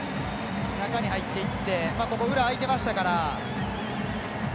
中に入っていって裏、空いてましたから。